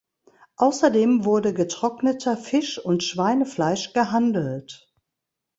Außerdem wurde getrockneter Fisch und Schweinefleisch gehandelt.